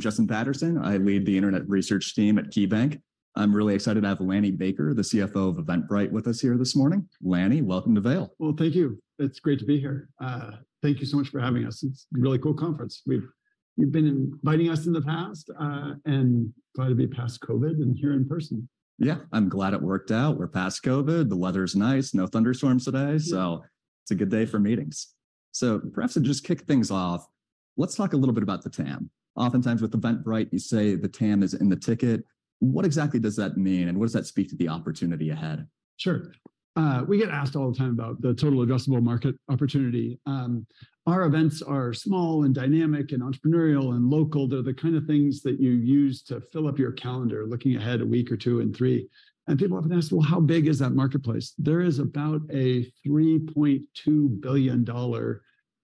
I'm Justin Patterson. I lead the internet research team at KeyBanc. I'm really excited to have Lanny Baker, the CFO of Eventbrite, with us here this morning. Lanny, welcome to Vail. Well, thank you. It's great to be here. Thank you so much for having us. It's a really cool conference. You've been inviting us in the past, glad to be past COVID and here in person. Yeah, I'm glad it worked out. We're past COVID. The weather's nice, no thunderstorms today. Yeah. it's a good day for meetings. Perhaps to just kick things off, let's talk a little bit about the TAM. Oftentimes, with Eventbrite, you say the TAM is in the ticket. What exactly does that mean, and what does that speak to the opportunity ahead? Sure. We get asked all the time about the total addressable market opportunity. Our events are small and dynamic and entrepreneurial and local. They're the kind of things that you use to fill up your calendar, looking ahead a week or two and three, and people often ask, "Well, how big is that marketplace?" There is about a $3.2 billion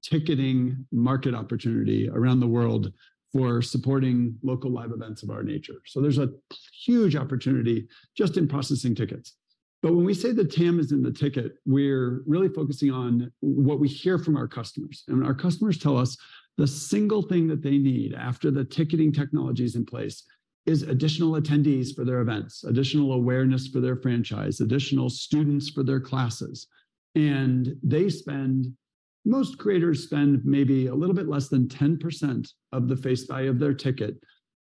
ticketing market opportunity around the world for supporting local live events of our nature, so there's a huge opportunity just in processing tickets. But when we say the TAM is in the ticket, we're really focusing on what we hear from our customers, and when our customers tell us the single thing that they need after the ticketing technology's in place, is additional attendees for their events, additional awareness for their franchise, additional students for their classes. And they spend... Most creators spend maybe a little bit less than 10% of the face value of their ticket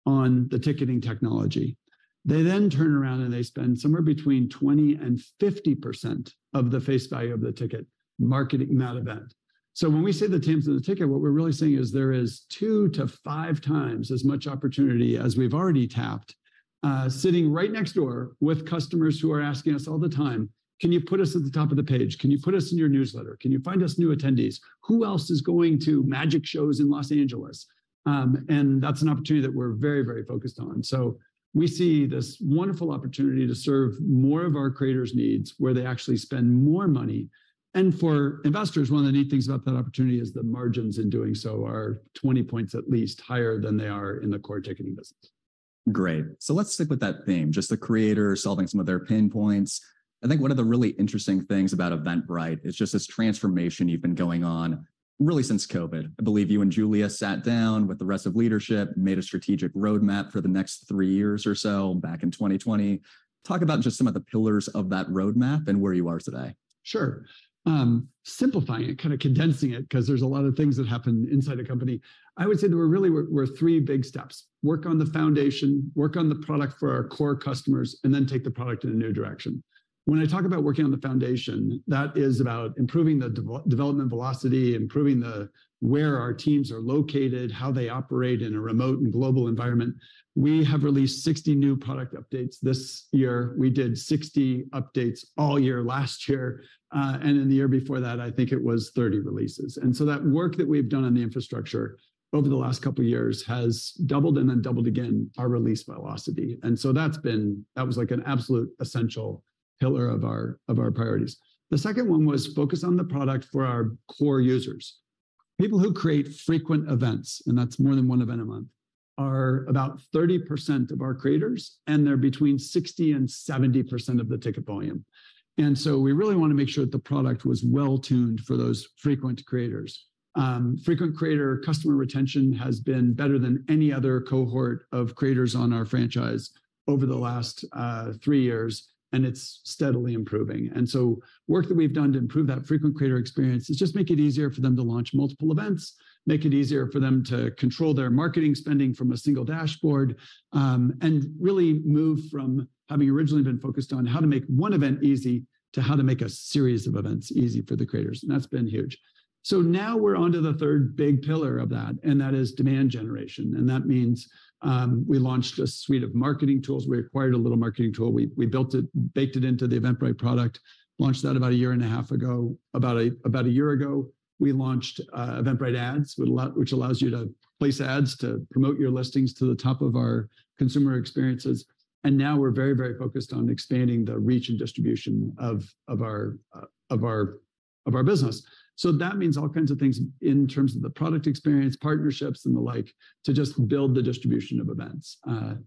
on the ticketing technology. They then turn around and they spend somewhere between 20 and 50% of the face value of the ticket marketing that event. When we say the TAM's in the ticket, what we're really saying is there is two to five times as much opportunity as we've already tapped, sitting right next door with customers who are asking us all the time, "Can you put us at the top of the page? Can you put us in your newsletter? Can you find us new attendees? Who else is going to magic shows in Los Angeles?" That's an opportunity that we're very, very focused on. We see this wonderful opportunity to serve more of our creators' needs, where they actually spend more money. for investors, one of the neat things about that opportunity is the margins in doing so are 20 points at least higher than they are in the core ticketing business. Great. Let's stick with that theme, just the creator, solving some of their pain points. I think one of the really interesting things about Eventbrite is just this transformation you've been going on, really since COVID. I believe you and Julia sat down with the rest of leadership, made a strategic roadmap for the next three years or so, back in 2020. Talk about just some of the pillars of that roadmap and where you are today. Sure. simplifying it, kind of condensing it, 'cause there's a lot of things that happened inside the company, I would say that we're we're three big steps: work on the foundation, work on the product for our core customers, and then take the product in a new direction. When I talk about working on the foundation, that is about improving development velocity, improving where our teams are located, how they operate in a remote and global environment. We have released 60 new product updates this year. We did 60 updates all year last year, and in the year before that, I think it was 30 releases. That work that we've done on the infrastructure over the last couple years has doubled and then doubled again our release velocity. That was, like, an absolute essential pillar of our priorities. The second one was focus on the product for our core users. People who create frequent events, and that's more than one event a month, are about 30% of our creators, and they're between 60% and 70% of the ticket volume. We really wanna make sure that the product was well-tuned for those frequent creators. Frequent creator customer retention has been better than any other cohort of creators on our franchise over the last three years, and it's steadily improving. Work that we've done to improve that frequent creator experience is just make it easier for them to launch multiple events, make it easier for them to control their marketing spending from a single dashboard, and really move from having originally been focused on how to make one event easy, to how to make a series of events easy for the creators, and that's been huge. Now we're onto the third big pillar of that, and that is demand generation, and that means, we launched a suite of marketing tools. We acquired a little marketing tool. We, we built it, baked it into the Eventbrite product. Launched that about a year and a half ago. About a, about a year ago, we launched Eventbrite Ads, which allow- which allows you to place ads to promote your listings to the top of our consumer experiences. Now we're very, very focused on expanding the reach and distribution of our business. That means all kinds of things in terms of the product experience, partnerships, and the like, to just build the distribution of events.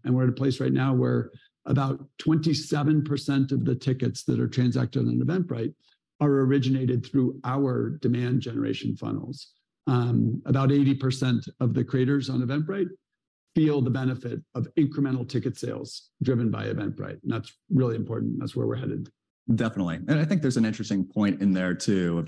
We're at a place right now where about 27% of the tickets that are transacted on Eventbrite are originated through our demand generation funnels. About 80% of the creators on Eventbrite feel the benefit of incremental ticket sales driven by Eventbrite. That's really important. That's where we're headed. Definitely. I think there's an interesting point in there, too, of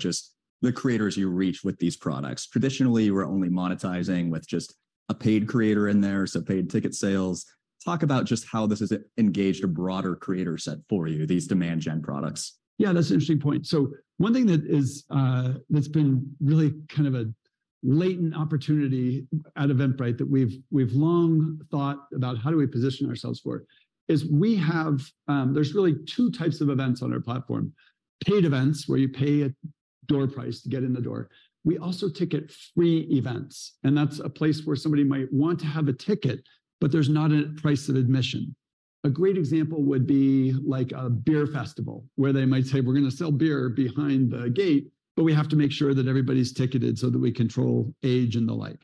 just the creators you reach with these products. Traditionally, you were only monetizing with just a paid creator in there, so paid ticket sales. Talk about just how this has engaged a broader creator set for you, these demand gen products. Yeah, that's an interesting point. One thing that is that's been really kind of a latent opportunity at Eventbrite that we've, we've long thought about how do we position ourselves for, is we have, there's really two types of events on our platform: paid events, where you pay a door price to get in the door. We also ticket free events, and that's a place where somebody might want to have a ticket, but there's not a price of admission. A great example would be, like, a beer festival, where they might say, "We're gonna sell beer behind the gate, but we have to make sure that everybody's ticketed so that we control age and the like."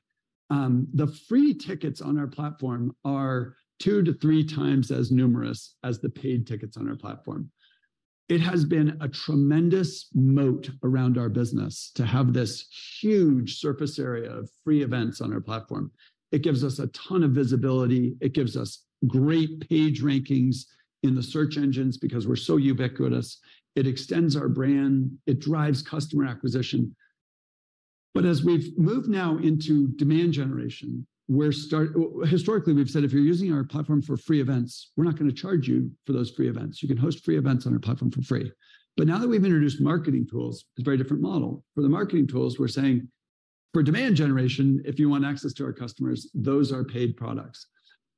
The free tickets on our platform are two to three times as numerous as the paid tickets on our platform. It has been a tremendous moat around our business to have this huge surface area of free events on our platform. It gives us a ton of visibility, it gives us great page rankings in the search engines because we're so ubiquitous. It extends our brand, it drives customer acquisition. As we've moved now into demand generation, historically, we've said, "If you're using our platform for free events, we're not gonna charge you for those free events. You can host free events on our platform for free." Now that we've introduced marketing tools, it's a very different model. For the marketing tools, we're saying, "For demand generation, if you want access to our customers, those are paid products."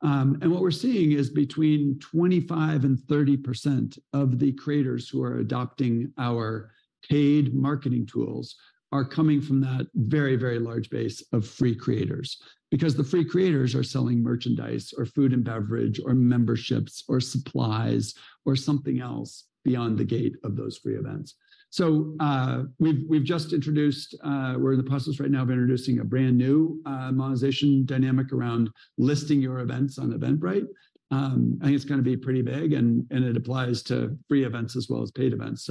What we're seeing is between 25% and 30% of the creators who are adopting our paid marketing tools are coming from that very, very large base of free creators. Because the free creators are selling merchandise or food and beverage or memberships or supplies or something else beyond the gate of those free events. We've, we've just introduced. We're in the process right now of introducing a brand-new monetization dynamic around listing your events on Eventbrite. I think it's gonna be pretty big, and it applies to free events as well as paid events.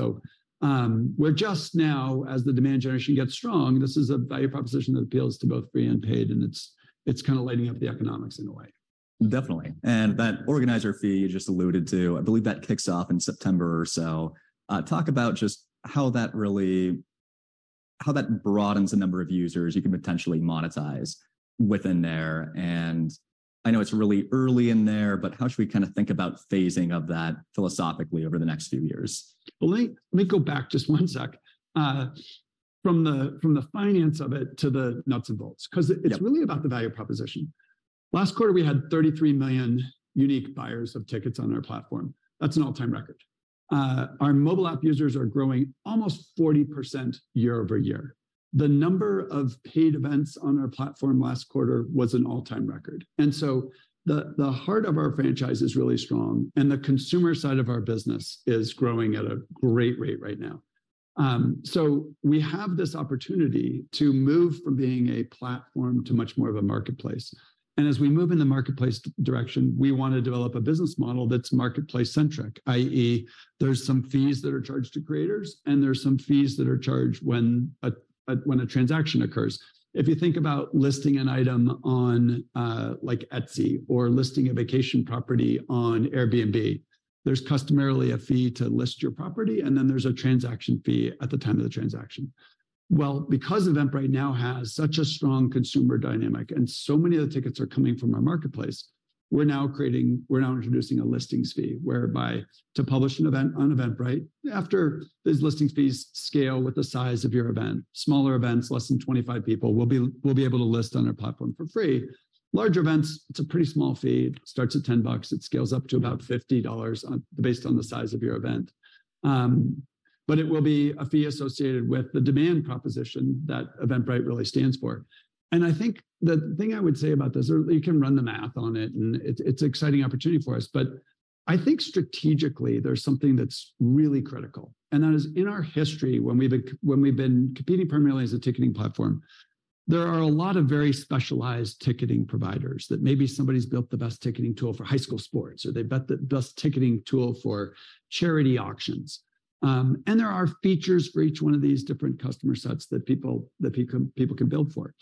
We're just now, as the demand generation gets strong, this is a value proposition that appeals to both free and paid, and it's, it's kinda lighting up the economics in a way. Definitely. That organizer fee you just alluded to, I believe that kicks off in September or so. Talk about just how that broadens the number of users you can potentially monetize within there, and I know it's really early in there, but how should we kinda think about phasing of that philosophically over the next few years? Well, let me, let me go back just one sec, from the, from the finance of it to the nuts and bolts. Yep 'cause it's really about the value proposition. Last quarter, we had 33 million unique buyers of tickets on our platform. That's an all-time record. Our mobile app users are growing almost 40% year over year. The number of paid events on our platform last quarter was an all-time record, and the heart of our franchise is really strong, and the consumer side of our business is growing at a great rate right now. We have this opportunity to move from being a platform to much more of a marketplace. As we move in the marketplace direction, we wanna develop a business model that's marketplace-centric, i.e., there's some fees that are charged to creators, and there's some fees that are charged when a transaction occurs. If you think about listing an item on, like Etsy or listing a vacation property on Airbnb, there's customarily a fee to list your property, and then there's a transaction fee at the time of the transaction. Well, because Eventbrite now has such a strong consumer dynamic and so many of the tickets are coming from our marketplace, we're now introducing a listings fee, whereby to publish an event on Eventbrite, after these listings fees scale with the size of your event, smaller events, less than 25 people, will be, will be able to list on our platform for free. Larger events, it's a pretty small fee. It starts at $10; it scales up to about $50 on, based on the size of your event. But it will be a fee associated with the demand proposition that Eventbrite really stands for. I think the thing I would say about this, you can run the math on it, and it's an exciting opportunity for us. I think strategically, there's something that's really critical, and that is in our history, when we've been, when we've been competing primarily as a ticketing platform, there are a lot of very specialized ticketing providers, that maybe somebody's built the best ticketing tool for high school sports, or they built the best ticketing tool for charity auctions. There are features for each one of these different customer sets that people can build for.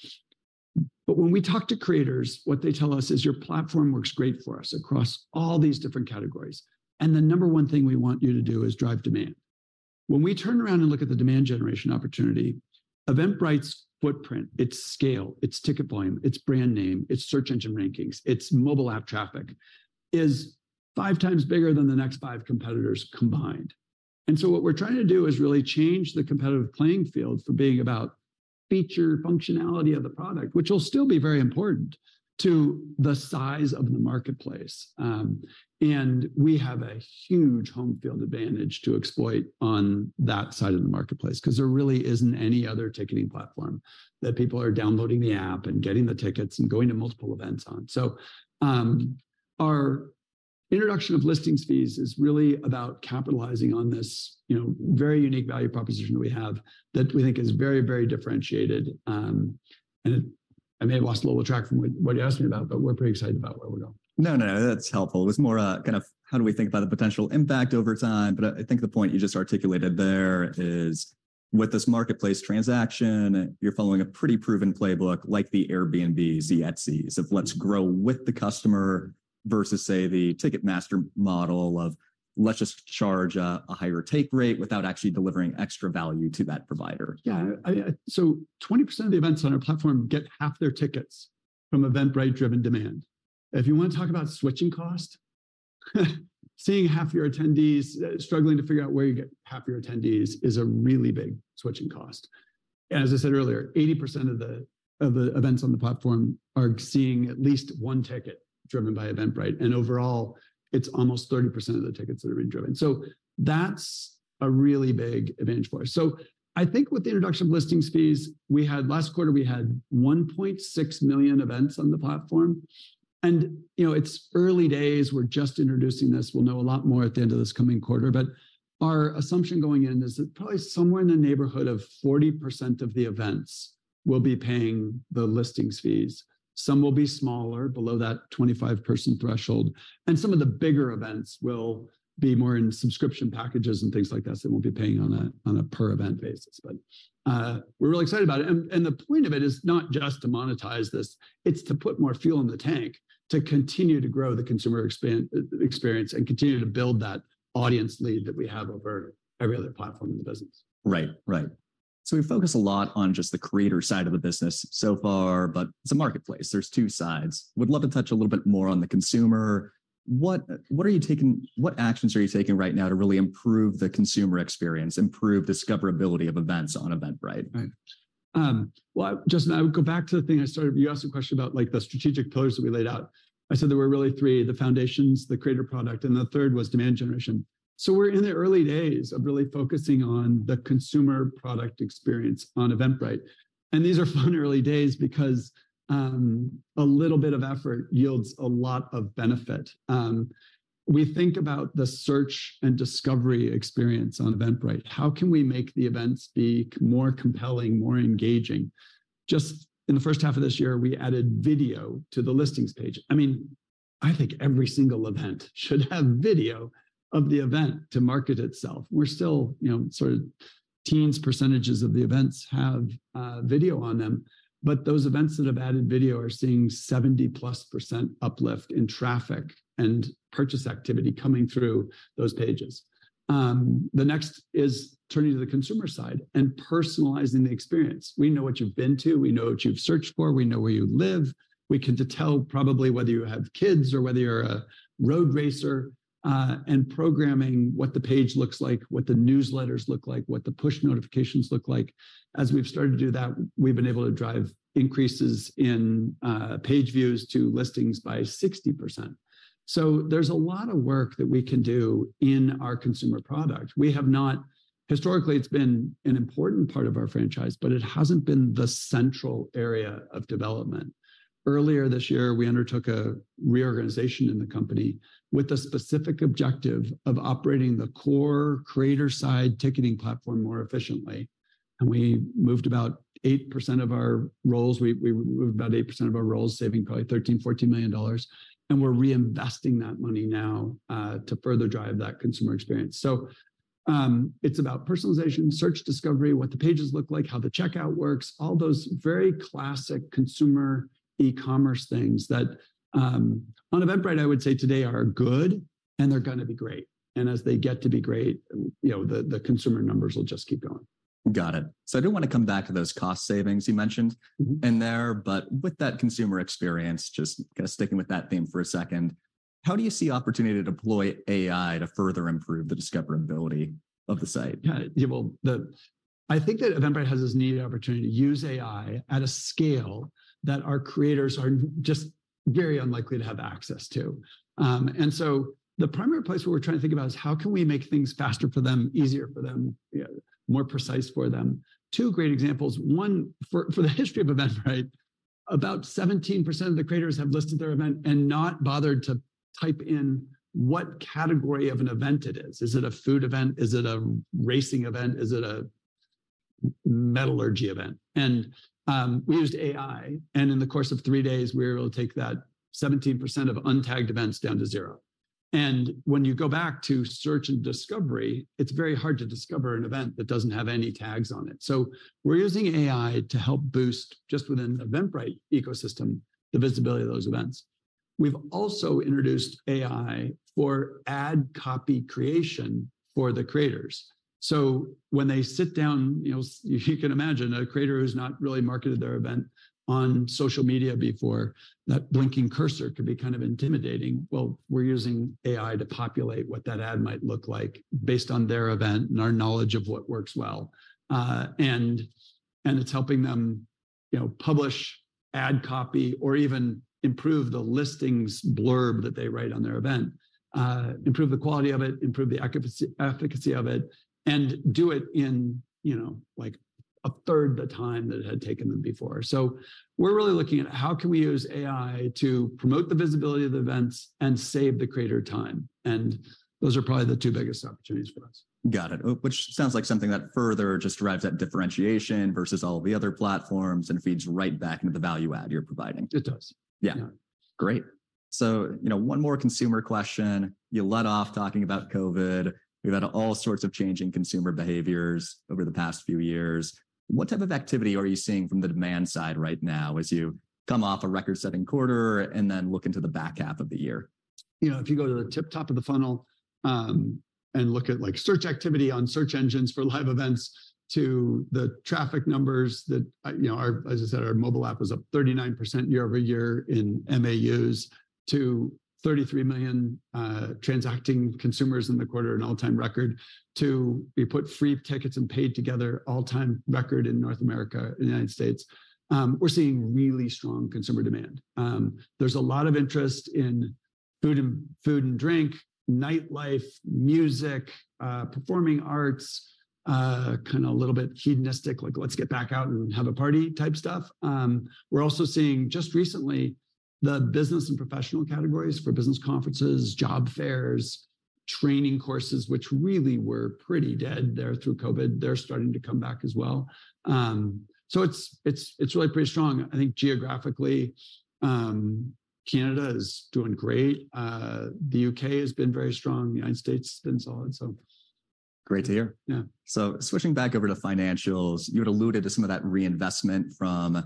When we talk to creators, what they tell us is, "Your platform works great for us across all these different categories, and the number 1 thing we want you to do is drive demand." When we turn around and look at the demand generation opportunity, Eventbrite's footprint, its scale, its ticket volume, its brand name, its search engine rankings, its mobile app traffic is five times bigger than the next five competitors combined. What we're trying to do is really change the competitive playing field for being about feature, functionality of the product, which will still be very important to the size of the marketplace. We have a huge home field advantage to exploit on that side of the marketplace, 'cause there really isn't any other ticketing platform that people are downloading the app and getting the tickets and going to multiple events on. Our introduction of listings fees is really about capitalizing on this, you know, very unique value proposition we have that we think is very, very differentiated. And it I may have lost a little track from what, what you asked me about, but we're pretty excited about where we're going. No, no, that's helpful. It was more, kind of how do we think about the potential impact over time? I, I think the point you just articulated there is, with this marketplace transaction, you're following a pretty proven playbook like the Airbnbs, the Etsys, of let's grow with the customer, versus, say, the Ticketmaster model of let's just charge a, a higher take rate without actually delivering extra value to that provider. Yeah, 20% of the events on our platform get half their tickets from Eventbrite-driven demand. If you wanna talk about switching cost, seeing half your attendees struggling to figure out where you get half your attendees is a really big switching cost. As I said earlier, 80% of the events on the platform are seeing at least one ticket driven by Eventbrite, overall, it's almost 30% of the tickets that are being driven. That's a really big advantage for us. I think with the introduction of listings fees, last quarter, we had 1.6 million events on the platform, and, you know, it's early days. We're just introducing this. We'll know a lot more at the end of this coming quarter, our assumption going in is that probably somewhere in the neighborhood of 40% of the events will be paying the listings fees. Some will be smaller, below that 25 person threshold, and some of the bigger events will be more in subscription packages and things like that, so we'll be paying on a, on a per-event basis. We're really excited about it, and, and the point of it is not just to monetize this, it's to put more fuel in the tank to continue to grow the consumer experience and continue to build that audience lead that we have over every other platform in the business. Right. Right. We've focused a lot on just the creator side of the business so far. It's a marketplace. There's two sides. We'd love to touch a little bit more on the consumer. What actions are you taking right now to really improve the consumer experience, improve discoverability of events on Eventbrite? Right. Well, just I would go back to the thing I started... You asked a question about, like, the strategic pillars that we laid out. I said there were really three: the foundations, the creator product, and the third was demand generation. We're in the early days of really focusing on the consumer product experience on Eventbrite, and these are fun early days, because a little bit of effort yields a lot of benefit. We think about the search and discovery experience on Eventbrite. How can we make the events be more compelling, more engaging? Just in the first half of this year, we added video to the listings page. I mean, I think every single event should have video of the event to market itself. We're still, you know, sort of teens% of the events have video on them, but those events that have added video are seeing 70%+ uplift in traffic and purchase activity coming through those pages. The next is turning to the consumer side and personalizing the experience. We know what you've been to. We know what you've searched for. We know where you live. We can tell probably whether you have kids or whether you're a road racer and programming what the page looks like, what the newsletters look like, what the push notifications look like. As we've started to do that, we've been able to drive increases in page views to listings by 60%. There's a lot of work that we can do in our consumer product. We have historically, it's been an important part of our franchise, but it hasn't been the central area of development. Earlier this year, we undertook a reorganization in the company with the specific objective of operating the core creator-side ticketing platform more efficiently, and we moved about 8% of our roles. We, we moved about 8% of our roles, saving probably $13 million-$14 million, and we're reinvesting that money now to further drive that consumer experience. It's about personalization, search, discovery, what the pages look like, how the checkout works, all those very classic consumer e-commerce things that on Eventbrite, I would say today, are good, and they're gonna be great, and as they get to be great, you know, the, the consumer numbers will just keep going. Got it. I do wanna come back to those cost savings you mentioned. Mm-hmm. In there, with that consumer experience, just kinda sticking with that theme for a second, how do you see opportunity to deploy AI to further improve the discoverability of the site? Yeah, well, the... I think that Eventbrite has this neat opportunity to use AI at a scale that our creators are just very unlikely to have access to. The primary place where we're trying to think about is, how can we make things faster for them, easier for them, more precise for them? Two great examples. One, for, for the history of Eventbrite, about 17% of the creators have listed their event and not bothered to type in what category of an event it is. Is it a food event? Is it a racing event? Is it a metallurgy event? We used AI, and in the course of three days, we were able to take that 17% of untagged events down to zero. When you go back to search and discovery, it's very hard to discover an event that doesn't have any tags on it. We're using AI to help boost, just within Eventbrite ecosystem, the visibility of those events. We've also introduced AI for ad copy creation for the creators. When they sit down, you know, if you can imagine, a creator who's not really marketed their event on social media before, that blinking cursor could be kind of intimidating. Well, we're using AI to populate what that ad might look like based on their event and our knowledge of what works well. It's helping them, you know, publish ad copy or even improve the listings blurb that they write on their event, improve the quality of it, improve the efficacy of it, and do it in, you know, like, a third the time that it had taken them before. We're really looking at how can we use AI to promote the visibility of the events and save the creator time, and those are probably the two biggest opportunities for us. Got it. Oh, which sounds like something that further just drives that differentiation versus all the other platforms, and feeds right back into the value add you're providing. It does. Yeah. Yeah. Great. you know, one more consumer question. You let off talking about COVID. We've had all sorts of changing consumer behaviors over the past few years. What type of activity are you seeing from the demand side right now, as you come off a record-setting quarter and then look into the back half of the year? You know, if you go to the tip-top of the funnel, and look at, like, search activity on search engines for live events to the traffic numbers that, I, you know, our-- as I said, our mobile app was up 39% year-over-year in MAUs to 33 million transacting consumers in the quarter, an all-time record, to we put free tickets and paid together, all-time record in North America, in the United States. We're seeing really strong consumer demand. There's a lot of interest in food and, food and drink, nightlife, music, performing arts, kinda little bit hedonistic, like, "Let's get back out and have a party," type stuff. We're also seeing, just recently, the business and professional categories for business conferences, job fairs, training courses, which really were pretty dead there through COVID. They're starting to come back as well. It's really pretty strong. I think geographically, Canada is doing great. The UK has been very strong. The United States has been solid. Great to hear. Yeah. Switching back over to financials, you had alluded to some of that reinvestment from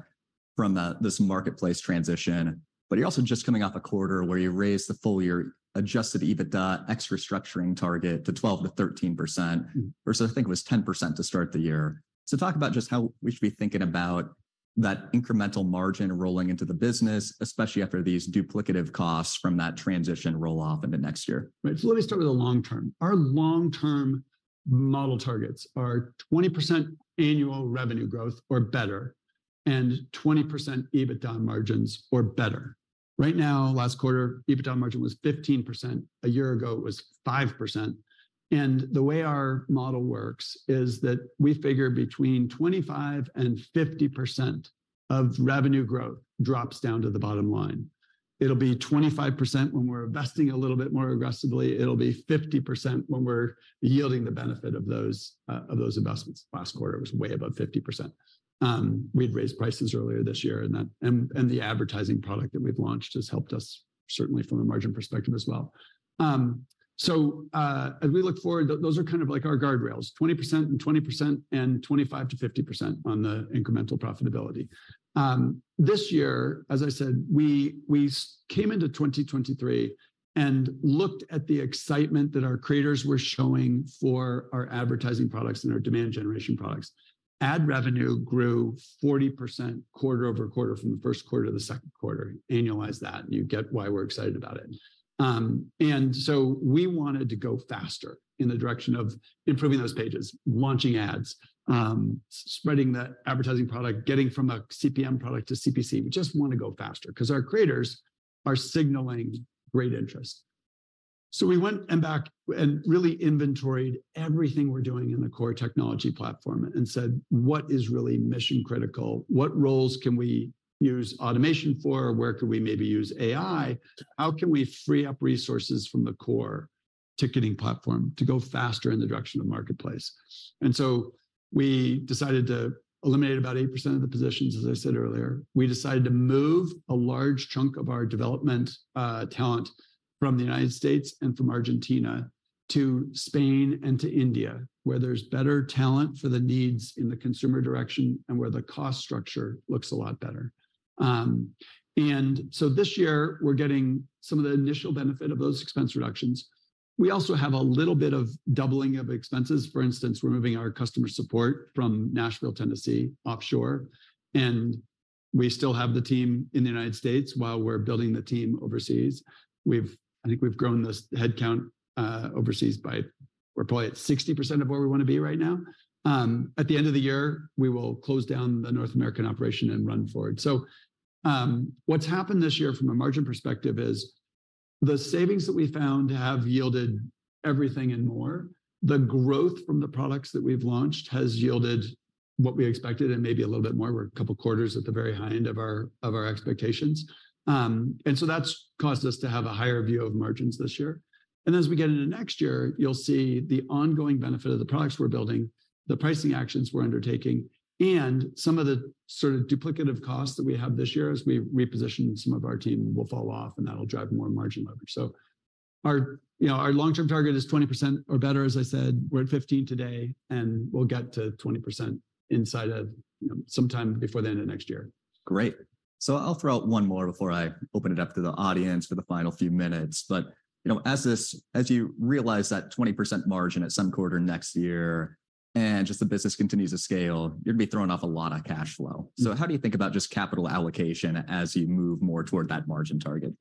this marketplace transition, you're also just coming off a quarter where you raised the full year Adjusted EBITDA, ex restructuring target, to 12%-13%, versus I think it was 10% to start the year. Talk about just how we should be thinking about that incremental margin rolling into the business, especially after these duplicative costs from that transition roll-off into next year. Let me start with the long term. Our long-term model targets are 20% annual revenue growth or better, and 20% EBITDA margins or better. Right now, last quarter, EBITDA margin was 15%. A year ago, it was 5%. The way our model works is that we figure between 25% and 50% of revenue growth drops down to the bottom line. It'll be 25% when we're investing a little bit more aggressively, it'll be 50% when we're yielding the benefit of those investments. Last quarter, it was way above 50%. We'd raised prices earlier this year, and the advertising product that we've launched has helped us certainly from a margin perspective as well. As we look forward, those are kind of like our guardrails, 20% and 20% and 25%-50% on the incremental profitability. This year, as I said, we came into 2023 and looked at the excitement that our creators were showing for our advertising products and our demand generation products. Ad revenue grew 40% quarter-over-quarter from the 1st quarter to the 2nd quarter. Annualize that, you get why we're excited about it. We wanted to go faster in the direction of improving those pages, launching ads, spreading the advertising product, getting from a CPM product to CPC. We just wanna go faster, 'cause our creators are signaling great interest. We went and really inventoried everything we're doing in the core technology platform and said: What is really mission-critical? What roles can we use automation for? Where could we maybe use AI? How can we free up resources from the core ticketing platform to go faster in the direction of marketplace? So we decided to eliminate about 8% of the positions, as I said earlier. We decided to move a large chunk of our development talent from the United States and from Argentina to Spain and to India, where there's better talent for the needs in the consumer direction and where the cost structure looks a lot better. This year, we're getting some of the initial benefit of those expense reductions. We also have a little bit of doubling of expenses. For instance, we're moving our customer support from Nashville, Tennessee, offshore, and we still have the team in the United States while we're building the team overseas. I think we've grown this headcount overseas by... we're probably at 60% of where we wanna be right now. At the end of the year, we will close down the North American operation and run forward. What's happened this year from a margin perspective is, the savings that we found have yielded everything and more. The growth from the products that we've launched has yielded what we expected and maybe a little bit more. We're a couple quarters at the very high end of our, of our expectations. That's caused us to have a higher view of margins this year. As we get into next year, you'll see the ongoing benefit of the products we're building, the pricing actions we're undertaking, and some of the sort of duplicative costs that we have this year as we reposition some of our team will fall off, and that'll drive more margin leverage. Our, you know, our long-term target is 20% or better, as I said. We're at 15 today, and we'll get to 20% inside of, you know, sometime before the end of next year. Great. I'll throw out one more before I open it up to the audience for the final few minutes. You know, as you realize that 20% margin at some quarter next year, and just the business continues to scale, you'd be throwing off a lot of cash flow. Mm. How do you think about just capital allocation as you move more toward that margin target?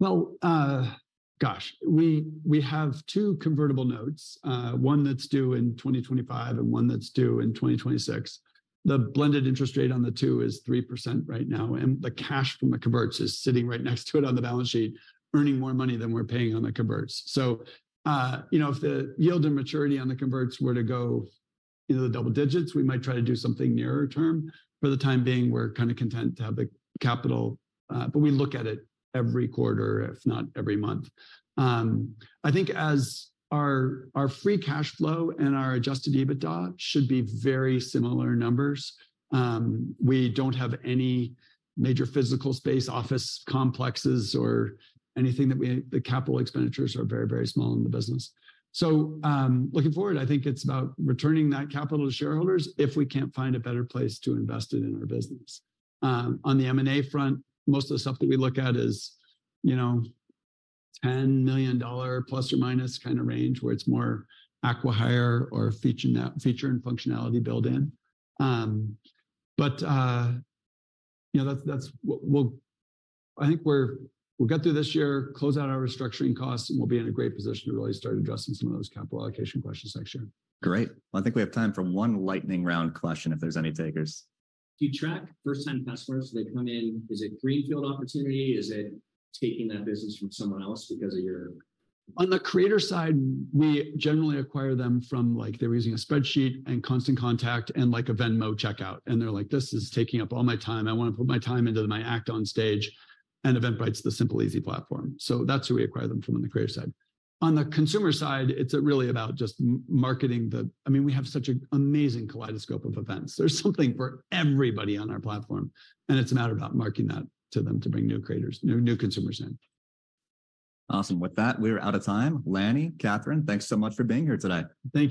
Well, gosh, we, we have two convertible notes: one that's due in 2025 and one that's due in 2026. The blended interest rate on the two is 3% right now, and the cash from the converts is sitting right next to it on the balance sheet, earning more money than we're paying on the converts. You know, if the yield to maturity on the converts were to go into the double digits, we might try to do something nearer term. For the time being, we're kinda content to have the capital, but we look at it every quarter, if not every month. I think as our, our free cash flow and our adjusted EBITDA should be very similar numbers. We don't have any major physical space, office complexes, or anything that we-- the capital expenditures are very, very small in the business. Looking forward, I think it's about returning that capital to shareholders if we can't find a better place to invest it in our business. On the M&A front, most of the stuff that we look at is, you know, $10 million, ±, kinda range, where it's more acqui-hire or feature and functionality build-in. You know, that's, that's, we'll-- I think we're, we'll get through this year, close out our restructuring costs, and we'll be in a great position to really start addressing some of those capital allocation questions next year. Great. Well, I think we have time for one lightning round question, if there's any takers. Do you track first-time customers? They come in, is it greenfield opportunity? Is it taking that business from someone else because of your- On the creator side, we generally acquire them from, like, they're using a spreadsheet and Constant Contact and, like, a Venmo checkout, and they're like: "This is taking up all my time. I wanna put my time into my act on stage." Eventbrite's the simple, easy platform. That's where we acquire them from on the creator side. On the consumer side, it's really about just marketing the... I mean, we have such an amazing kaleidoscope of events. There's something for everybody on our platform. It's a matter about marketing that to them to bring new creators, new, new consumers in. Awesome. With that, we are out of time. Lanny, Katherine, thanks so much for being here today. Thank you.